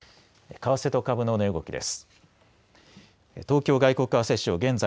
為替と株の値動きです。